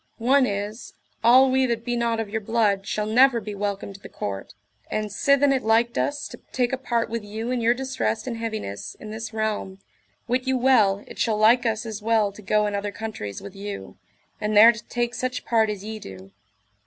One is, all we that be not of your blood shall never be welcome to the court. And sithen it liked us to take a part with you in your distress and heaviness in this realm, wit you well it shall like us as well to go in other countries with you, and there to take such part as ye do.